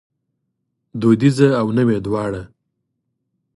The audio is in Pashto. دودیزه او نوې دواړه